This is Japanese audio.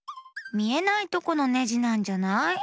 みえないとこのネジなんじゃない？